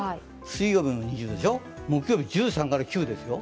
水曜日も２０度、木曜日は１３から９ですよ。